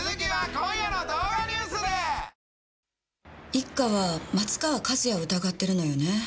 一課は松川一弥を疑ってるのよね。